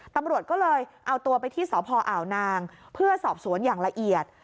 ตำรวจก็เลยเอาตัวไปที่สพอ่าวนางเพื่อสอบสวนอย่างละเอียด